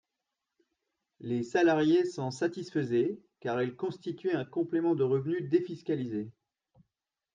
Les salariés s’en satisfaisaient, car elles constituaient un complément de revenu défiscalisé.